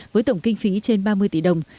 với tổng kinh phí trên ba mươi tỷ đồng